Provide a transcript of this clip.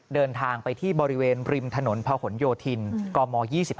เดินทางไปที่บริเวณริมถนนพะหนโยธินกม๒๕